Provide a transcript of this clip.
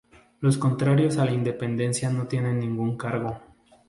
Los contrarios a la independencia no tienen ningún cargo.